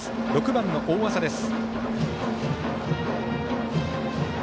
６番の大麻です。